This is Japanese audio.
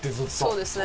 そうですね。